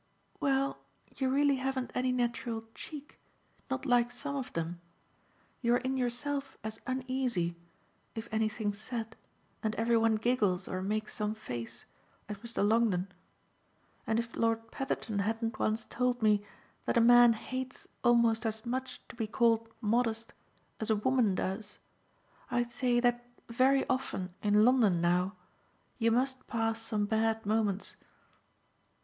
"Well, you really haven't any natural 'cheek' not like SOME of them. You're in yourself as uneasy, if anything's said and every one giggles or makes some face, as Mr. Longdon, and if Lord Petherton hadn't once told me that a man hates almost as much to be called modest as a woman does, I'd say that very often in London now you must pass some bad moments."